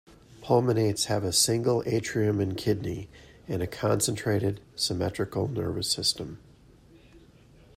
Pulmonates have a single atrium and kidney, and a concentrated, symmetrical, nervous system.